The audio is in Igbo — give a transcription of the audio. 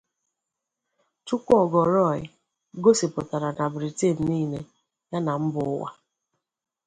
Chukwuogo-Roy gosipụtara na Briten niile, yana mba ụwa.